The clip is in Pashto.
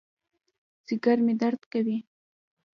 ځېګر مې درد کوي